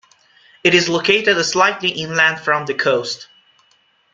It is located slightly inland from the coast.